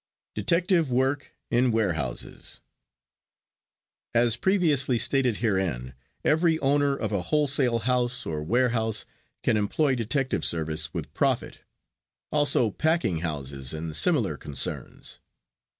DETECTIVE WORK IN WAREHOUSES As previously stated herein, every owner of a wholesale house or warehouse can employ detective service with profit, also packing houses and similar concerns.